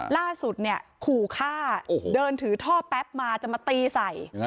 ล่าสุดเนี่ยขู่ฆ่าเดินถือท่อแป๊บมาจะมาตีใส่